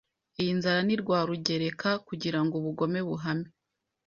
Iyi nzara ni Rwarugereka, kugirango ubugome buhame.